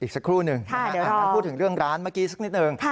สักครู่หนึ่งท่านพูดถึงเรื่องร้านเมื่อกี้สักนิดนึง